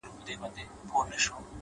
• هم به کور وو په ساتلی هم روزلی ,